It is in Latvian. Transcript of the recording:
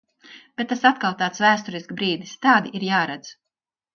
Bet tas atkal tāds vēsturisks brīdis, tādi ir jāredz.